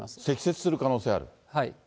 積雪する可能性がある？